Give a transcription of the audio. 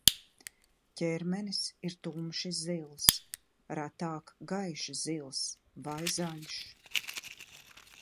Ķermenis ir tumši zils, retāk gaiši zils vai zaļš.